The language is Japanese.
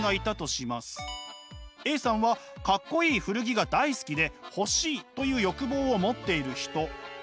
Ａさんはかっこいい古着が大好きで欲しいという欲望を持っている人。